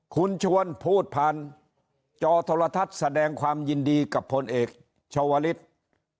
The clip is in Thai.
คุณชวนพูดผ่านจอโทรทัศน์แสดงความยินดีกับพลเอกชาวลิศ